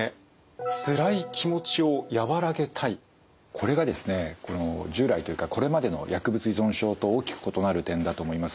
これがですね従来というかこれまでの薬物依存症と大きく異なる点だと思います。